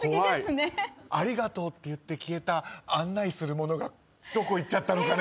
「ありがとう」って言って消えた案内する者がどこいっちゃったのか。